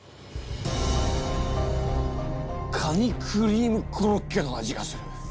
カニクリームコロッケの味がする！